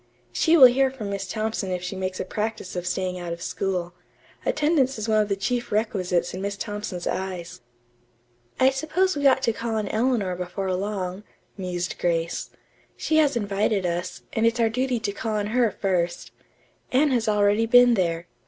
"She will hear from Miss Thompson if she makes a practice of staying out of school. Attendance is one of the chief requisites in Miss Thompson's eyes." "I suppose we ought to call on Eleanor before long," mused Grace. "She has invited us, and it's our duty to call on her first. Anne has already been there.